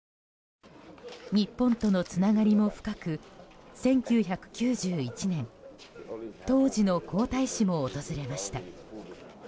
日本とのつながりも深く１９９１年当時の皇太子も訪れました。